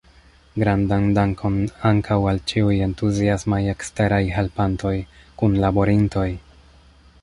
Grandan dankon ankaŭ al ĉiuj entuziasmaj eksteraj helpantoj, kunlaborintoj!